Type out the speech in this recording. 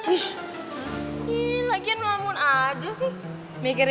ih lagian ngamun aja sih